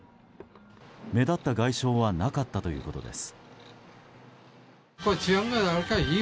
目立った外傷はなかったということです。